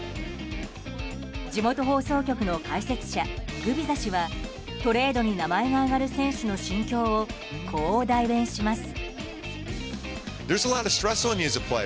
地元放送局の解説者、グビザ氏はトレードに名前が挙がる選手の心境をこう代弁します。